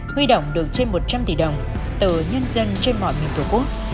huy động được trên một trăm linh tỷ đồng từ nhân dân trên mọi miền tổ quốc